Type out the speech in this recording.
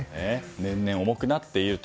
年々、重くなっていると。